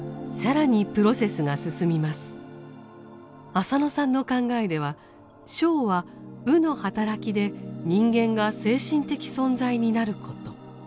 浅野さんの考えでは「生」は「有」の働きで人間が精神的存在になること。